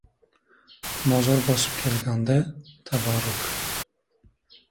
Mozor bosib kelgan-da, tabarruk!